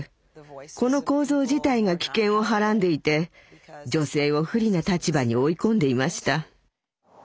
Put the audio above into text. この構造自体が危険をはらんでいて女性を不利な立場に追い込んでいました。